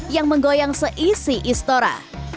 yang menggoyang seisi istora